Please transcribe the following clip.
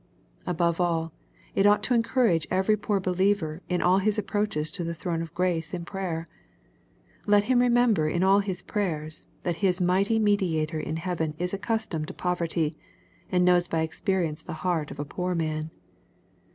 Above all it ought to encourage every poor believer in all his approaches to the throne of grace in prayer. Let him remember in all his prayers that his mighty Mediator in heaven is accustomed to poverty, and knows by experience the heart of a poor man.